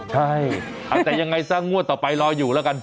ใช่แต่ยังไงซะงวดต่อไปรออยู่แล้วกัน